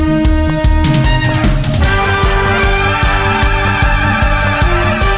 สวัสดีค่ะ๑๒๓ยิ้ม